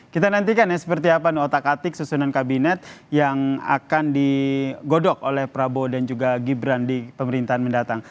kita nantikan ya seperti apa otak atik susunan kabinet yang akan digodok oleh prabowo dan juga gibran di pemerintahan mendatang